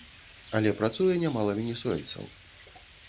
Але працуе нямала венесуэльцаў.